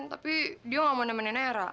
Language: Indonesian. tapi dia nggak mau nemenin era